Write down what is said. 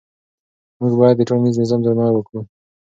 موږ باید د ټولنیز نظام درناوی وکړو.